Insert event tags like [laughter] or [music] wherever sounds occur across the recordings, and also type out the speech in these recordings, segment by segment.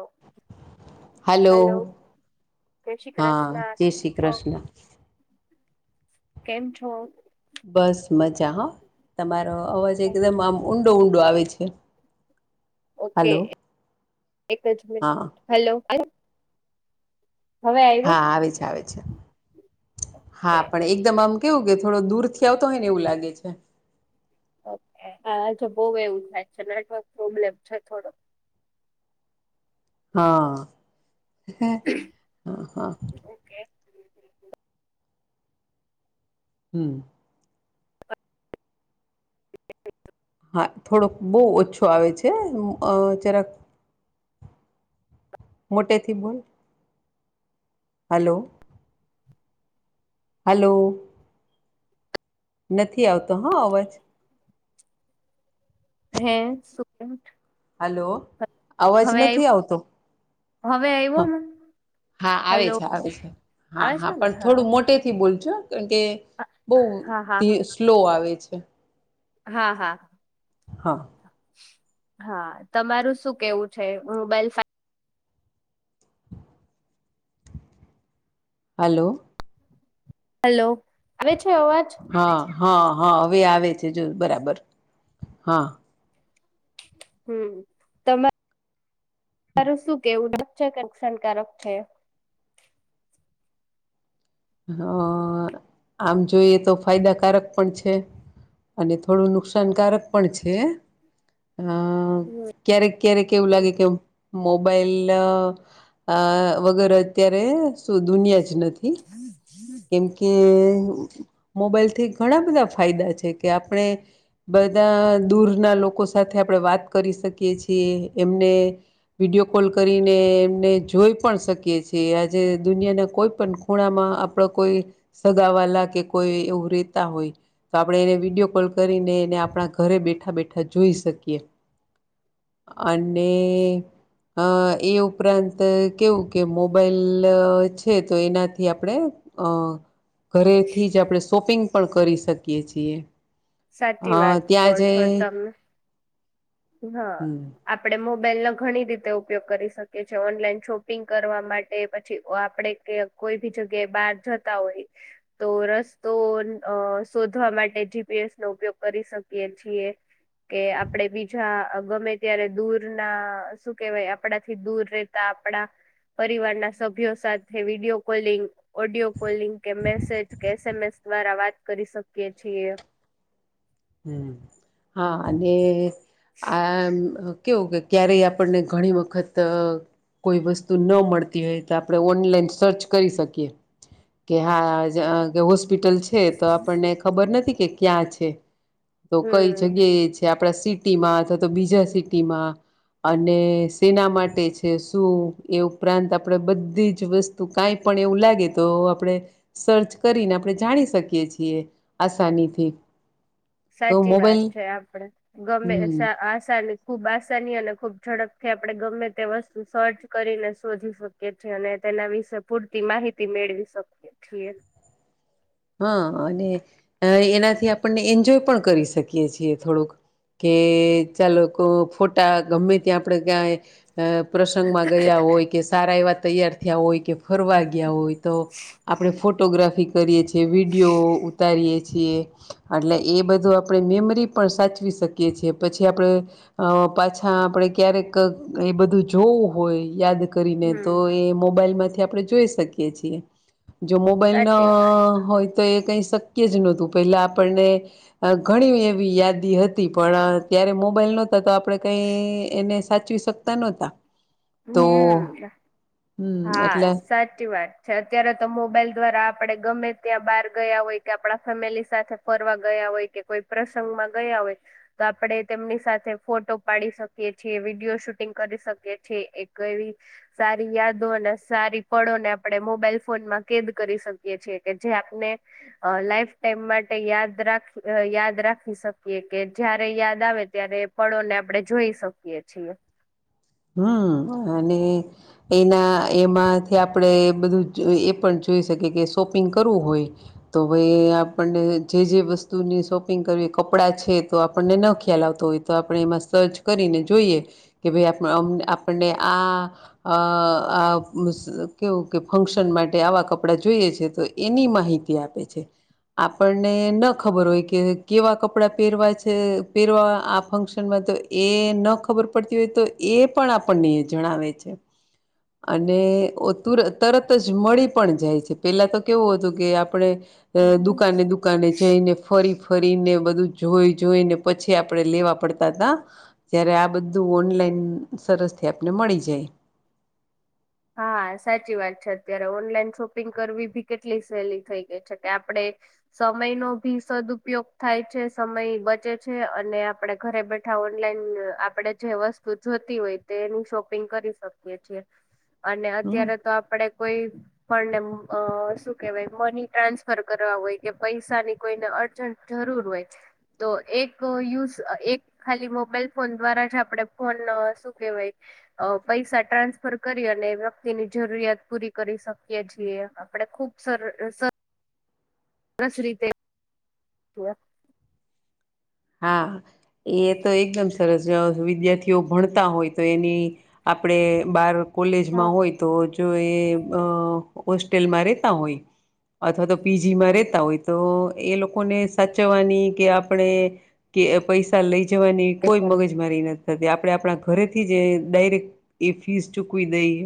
ઓ [unintelligible] hello. જય શ્રી હા, જય કૃષ્ણ શ્રી છો કૃષ્ણ. કેમ છો? બસ મજા હન. તમારો અવાજ એકદમ આમ ઊંડો-ઊંડો આવે છે. ઓકે, હલો એક જ હા મીનીટ. હેલો. હા આવે છે આવે છે કે હા પણ એકદમ આમ કેવું કે થોડો દૂર થી આવતો હોય ને એવું લાગે છે. જે બો એવું થાય છે નેટવર્ક પ્રોબ્લેમ છે થોડો હા હ હા હા. ઓકે હમ. [unintelligible] [inaudible] હા થોડોક બહુ ઓછો આવે છે જરાક મોટે થી બોલ. હલો. હલો. નથી આવતો હા અવાજ. હે સુ હલો અવાજ નથી આવતો. હવે આવ્યો ને હા આવે હલો છે આવે છે હા આવે હા છે ને પણ થોડું મોટે થી બોલ કારણ કે હા હા બહ સ્લો આવે છે. હા હા. હા. હા તમારું શું કેવું છે મોબાઈલ ફ [inaudible] હલો. હલો આવે છે અવાજ. હા હા હા હવે આવે છે જો બરાબર હા હમ તમારેરું શું કેવું. છે કનેશણકારક છે. હ આમ જોઈએ તો ફાયદાકારક પણ છે. અને થોડું નુકસાનકારક પણ છે. હ હમ ક્યારેક ક્યારેક એવું લાગે કે મો મોબાઈલ અ વગેરે અત્યારે શું દુનિયા જ નથી. કેમ કે મોબાઈલથી ઘણા બધા ફાયદા છે કે આપણે બધા દૂરના લોકો સાથે આપણે વાત કરી શકીએ છીએ એમને વિડીયો કોલ કરીને એમને જોઈ પણ શકીએ છીએ આજે દુનિયાના કોઈ પણ ખૂણામાં આપડે કોઈ સગાવાલા કે કોઈ એવું રેતા હોય તો આપણે એને વિડીયો કોલ કરીને એ આપણા ઘરે બેઠા બેઠા જોઈ શકીએ [unintelligible] અને અ એ ઉપરાંત કેવું કે મોબાઈલ છે તો એનાથી આપણે ઘરેથી જ આપણે શોપિંગ પણ કરી શકીએ છીએ અ સાચી વાત કહો ત્યાં જે છો તમે હા હમ આપડે મોબ બાઈલ ના ઘણી રીતે ઉપયોગ કરી શકીએ છીએ ઓનલાઈન શોપિંગ કરવા માટે પછી આપણે કોઈ બી જગ્યાએ બહાર જતા હોય તો રસ્તો શોધવા માટે જી એસનો ઉપયોગ કરી શકીએ છીએ કે આપણેે બીજ ગમે ત્યારે દૂર ના શું કેવાય આપડાથી દૂર રેતા આપડા પરિવારના સભ્યો સાથે વિડીયો કોલિંગ ઓડિયો કોલિંગ કે મેસેજ કે એસએમએસ દ્વારા વાત કરી શકીએ છીએ હમ હા અને આ કેવું કે ક્યારે આપણને ઘણી વખત કોઈ વસ્તુ ન મળતી હોય તો આપણે ઓનલાઈન સર્ચ કરી શકીએ કે હા હોસ્પિટલ છે તો આપણને ખબર નથી કે ક્યાં છે તો કઈ હમ. જગ્યાએ છે આપણા સિટીમાં અથવા તો બીજા સિટીમાં અને સેના માટે છે શું એ ઉપરાંત આપણેે બધી જ વસ્તુ કઈ પણ એવું લાગે તો આપણે સર્ચ કરીને આપણે જાણી શકીએ છીએ આસાનીથી તો સાચી વાત મોબાઈલ છે આપડે ગમે હમ આ સા ખુબ આસાની અને ખુબ ઝડપથી આપણે ગમે તે વસ્તુ સર્ચ કરીને શોધી શકીએ છીએ અને તેના વિશે પૂરતી માહિતી મેળવી શકીએ છીએ હા અને એનાથી આપણને એન્જોય પણ કરી શકીએ છીએ થોડુંક કે ચાલો ફોટા ગમે ત્યાં આપડે ક્યાંય અ પ્રસંગમાં ગયા હોય કે સારા એવા તૈયાર થયા હોય કે ફરવા ગયા હોય તો આપણે ફોટોગ્રાફી કરીએ છીએ વિડીયો ઉતારીએ છીએ એટલે એ બધું આપણે મેમરી પણ સાચવી શકીએ છીએ પછી આપણે પાછા આપડે ક્યારેક એ બધું જોવું હોય યાદ કરીને તો હમ એ મોબાઈલ માંથી આપણે જોઈ શકીએ છીએ જો મોબાઈલ સાચી વાત ના ક શક્ય જ નતું પેલા આપણને ઘણી એવી યાદી હતી પણ ત મોબાઈલ નતા તો આપડે કઈ એને સાચવી શકતા નહતા હમ હા એટલે સાચી વાત છે અત્યારે તો મોબાઈલ દ્વારા આપડે ગમે ત્યાં બહાર ગયા હોય કે આપણા ફેમિલી સાથે ફરવા ગયા હોય કે કોઈ પ્રસંગ માં ગયા હોય આપડણે તેમની સાથે ફોટો પાડી શકીએ છીએ વિડીયો શૂટિંગ કરી શકીએ છએ છે એક એવી સારી યાદો અને સારી પળોને આપણે મોબાઈલ ફોનમાં કેદ કરી રાકીયે છે કે જે આપણે લાઈફ ટાઈમ માટે યાદ રાખ યાદ રાખી શકીયે એ કે જયારે યાદ આવે ત્યારે પળો ને આપણે જોઈ શકીએ છીએ હમ અને એના એમાંથી આપડે બધું એ પણ જોઈ શકે કે શોપિંગ કરવું હોય તો ભાઈ આપણને જે જે વસ્તુની શોપિંગ કરવી કપડા છે તો આપણને ન ખ્યાલ આવતો હોય તો આપણે એમાં સર્ચ કરીને જોઈએ કે ભાઈ આપ આપણે આ કેવું કે ફંક્શન માટે આવા કપડા જોઈએ છે તો એની માહિતી આપે છે આપણને ન ખબર હોય કે કેવા કપડા પહેરવા છે પહેરવા આ ફંક્શનમાં તો એ ન ખબર પડતી હોય તો એ પણ આપણને જણાવે છે અને તુંરત તરત જ મળી પણ જાય છે પેલા તો કેવું હતું કે આપણે અ હમ દુકાને દુકાને જઈને ફરી ફરીને બધું જોઈ જોઈને પછી આપડે લેવા પડતા હતા જયારે આ બધું ઓનલાઈન સરસથી આપને મળી જાય. હા હા સાચી વાત છે અત્યારે ઓનલાઈન શોપિંગ કરવી ભી કેટલી સહેલી થઈ ગઈ છે કે આપેડે સમય નો ભી સદઉપયોગ થાય છે સમય બચે છે અને આપડે ઘરે બેઠા ઓનલાઈન આપડે જે વસ્તુ જોતી હોય તે એની શોપિંગ કરી શકીએ છીએ અને હમ અત્યારે તો આપડે કોઈ પણને અ શું કહેવાય મની ટ્રાન્સફર કરવા હોય કે પૈસાની કોઈ અર્જન્ટ જરૂર હોય છે તો એક યુઝ એક ખાલી મોબાઈલ ફોન દ્વારા જ આપણે ફોન શું કેહેવાય અ પૈસા ટ્રાન્સફર કરી હગે વ્યક્તિની જરૂરિયાત પૂરી કરી શકીએ છીએ આપણે ખુબ સર સર સરસ રીતે હા એ તો એકદમ સરસ વિદ્યાર્થીઓ ભણતા હોય તો એની આપડે બાર હા કોલેજમાં હોય તો જો એ અ હોસ્ટેલ માં રેતા હોય અથવા તો પીજી માં રેતા હોય તો એ લોકોને સાચવવાની કે આપણે કે પૈસા લઈ જવાની તે કોઈ પણ મગજ મારી નથી આપણે આપણા ઘરેથી જ ડાયરેક્ટ એ ફીસ ચૂકવી દઈએ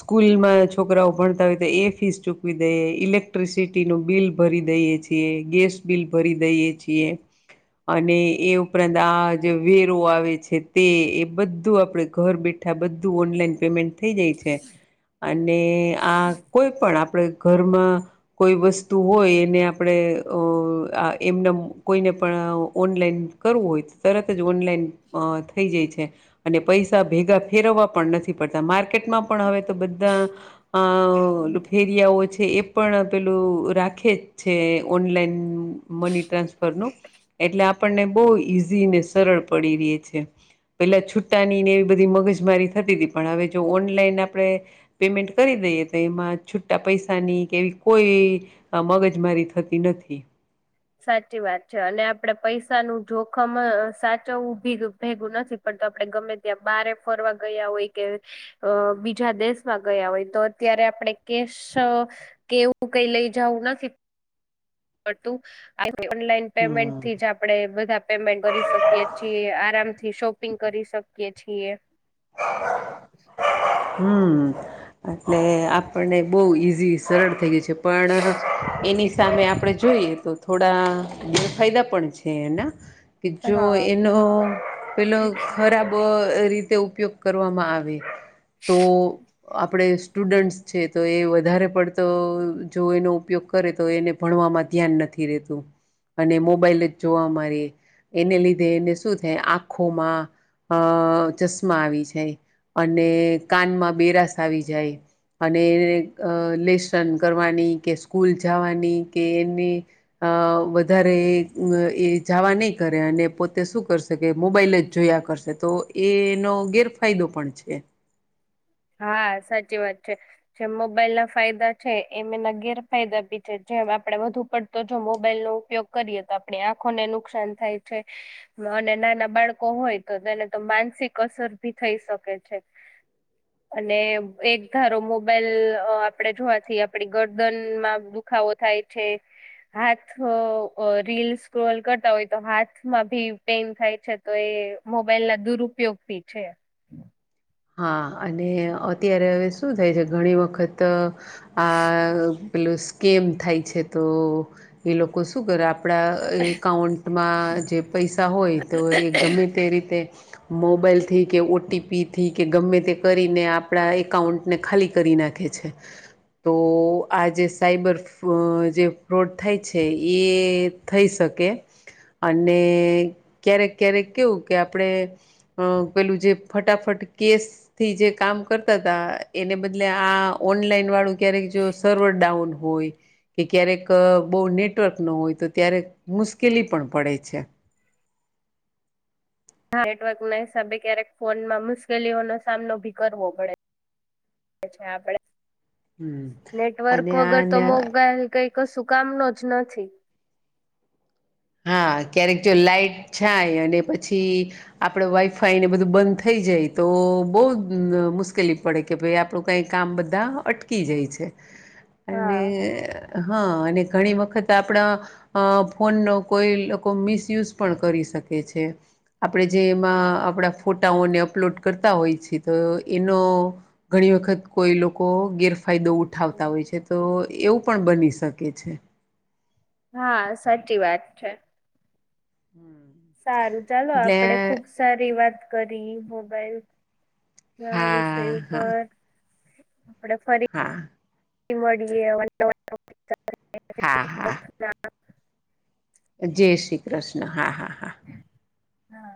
સ્કૂલમાં છોકરાઓ ભણતા હોય તો એ ફીસ ચૂકવી દઈએ ઇલેક્ટ્રિસિટી નું બિલ ભરી દઈએ છીએ ગેસ બિલ ભરી દઈએ છીએ [inaudible] અને એ ઉપરાંત આ જે વેરો આવે છે તે એ બધું આપડે ઘર બેઠા બધું ઓનલાઈન પેમેન્ટ થઈ જાય છે અને આ કોઈ પણ આપ આપડે ઘરમાં કોઈ વસ્તુ હોય એને આપણે અ એમનેમ કોયને પણ ઓનલાઈન કરવું હોય તરત જ ઓનલાઈન થઈ જાય છે અને પૈસા ભેગા ફેરવા પણ નથી પડતા માર્ક માર્કેટ મા પણ હવે તો બધા અ ફેરિયાઓ છે. એ પણ પેલું રાખે જ છે ઓનલાઈન મની ટ્રાન્સફરનું એટલે આપણને બવ ઈઝી ને સરળ પડી રે છે પેલા છુટ્ટા ની ને એવી બધી મગજ મારી થતી તી પન હવે જો ઓનલાઈન આપણે પેમેન્ટ કરી દઈએ તો એમાં છૂટા પૈસાની કે કોઈ મગજમારી થતી નથી સાચી વાત છે અને આપડે પૈસા નું જોખમ સાચવવું ભેગું નથી પણ આપણે ગમે ત્યાં બારે ફરવા ગયા હોય કે બીજા દેશમાં ગયા હોય તો અત્યારે ત્યારે આપણે કેશ કે એવું કઈ લઈ જવું નથી પડતું આઇવા ઓનલાઈન પેમેન્ટ થી જ આપડે બધા પેમેન્ટ ભરી શકીએ છીએ આરામથી શોપિંગ કરી શકીએ છીએ, હમ એટલે આપણને બવ ઈઝી સરળ થઈ ગય છે. પણ એની સામે આપણે જોઈએ તો થોડા જે ફાયદા પણ છે એના કે જો હા એનો પેલો ખરાબ રીતે ઉપયોગ કરવામાં આવે. તો આપણે સ્ટુડન્ટ્સ છે તો એ વધારે પડતો જો એનો ઉપયોગ કરે તો એને ભણવામાં ધ્યાન નથી રેતું. અને મોબાઈલ જ જોવા રીએ એને લીધે એને શું થાય આંખોમાં અ ચશ્મા આવી જાય અને કાનમાં બેરાસ આવી જાય. અને અ લેસન કરવાની કે સ્કૂલ જાવાની કે એને વધારે એ એ જાવા નહીં કરે અને પોતે શું કરશે કે મોબાઈલ જ જોયા કરશે તો એનો ગેરફાયદો પણ છે. [inaudible] હા સાચી વાત છે જે મોબાઈલ ના ફાયદા છે એમના ગેરફાયદા બી છેે. જેમ આપડે વધુ પડતો જો મોબાઈલ નો ઉપયોગ કરીએ તો આપણી આંખોને નુકસાન થાય છે. અને નાના બાળકો હોય તો તેને તો માનસિક અસર ભી થઈ શકે છે. અને એક ધારો મોબાઈલ આપણેે અ જોવાથી આપડી ગરદનમા દુખાવો થાય છે. હાથ અ રીલ સ્ક્રોલ કરતા હોય તો હાથમાં ભી પેઇન થાય છે તો એ મોબાઈલ ના દુરુપયોગ બી છે. હા અને અત્યારે હવે શું થાય છે ઘણી વખત અ આ પેલું સ્કેમ થાય છે તો એ લોકો શું કરે આપ આપણા એકાઉન્ટમા જે પૈસા હોય તો એ ગમે તે રીતે મોબાઈલથી કે ઓટીપી થી કે ગમે તે કરીને આપણા એકાઉન્ટને ખાલી કરી નાખે છે. તો આ જે સાયબર ફ અ જે ફ્રોડ થાય છે એ થઈ શકે. કે. અને ક્યારેક ક્યારેક કેવું કે આપડણે અ પેલું જે ફટાફટ કેસ થી જે કામ કરતા હતા એને બદ લે આ ઓનલાઈન વાળુ ક્યારેક જો સર્વર ડાઉન હોય કે ક્યારેક બહુ નેટવર્ક નો હોય તો ત્યારે મુશ્કેલી પણ પડે છે. [inaudible] નેટવર્ક ના હિસાબે ક્યારેક ફોનમાં મુશ્કેલીઓ નો સામનો ભી કરવો પડે. અછા આપડે હમ નેટવર્ક અને વગર તો આને મોબાઇલ કઈ કશુ કામનો જ નથી. હા ક્યારેક જો લાાઈટ જાય અને પછી આપડે વાઈફાઈ ને બધુ બંધ થઈ જાય. તો બહુ અન મુશ્કેલી પડે કે ભાઈ આપણું કઈ કામ બધા અટકી જાય છે. હા અને હ અને ઘણી વખત આપણા અ ફોનનો કોઈ લોકો મિસયુઝ પણ કરી શકે છે આપણેે જે એમાં આપણા ફોટાઓને અપલોડ કરતા હોય છે તો એનો ઘણી વખત કોઈ લોકો ગેર ફાયદો ઉઠાવતા હોય છે તો એવું પણ બની શકે છે. હા સાચી વાત છે. સારું ચાલો આપડે એટલે ખુબ સારી વાત કરી મોબાઈલ ના હા વિષય હા ઉપર. આપડે ફરી હા [inaudible] [inaudible] હા હા. જય શ્રી કૃષ્ણ હા હા. હા હા.